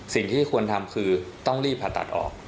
สิ่งที่ควรทำคือต้องรีบผ่าตัดออก